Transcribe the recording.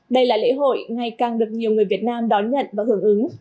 đây là lễ hội ngày càng được nhiều người việt nam đón nhận và hưởng ứng